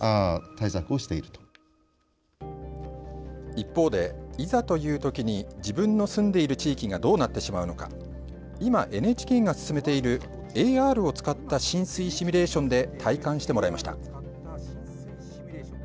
一方で、いざというときに自分の住んでいる地域がどうなってしまうのか今、ＮＨＫが進めているＡＲを使った浸水シミュレーションで体感してもらいました。